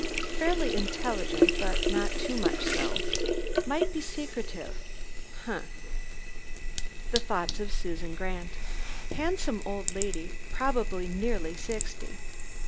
Fairly intelligent, but not too much so. Might be secretive. Humph!" The thoughts of Susan Grant. "Handsome old lady, probably nearly sixty.